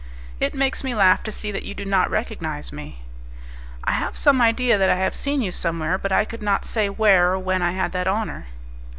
"It makes me laugh to see that you do not recognize me." "I have some idea that I have seen you somewhere, but I could not say where or when I had that honour."